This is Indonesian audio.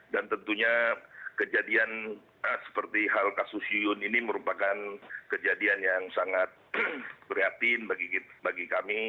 dan tentunya kejadian seperti hal kasus yuyun ini merupakan kejadian yang sangat berhati bagi kami